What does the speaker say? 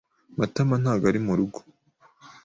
Matama ntago ari murugo.